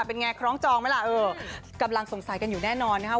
เป็นไงคล้องจองไหมล่ะเออกำลังสงสัยกันอยู่แน่นอนนะครับ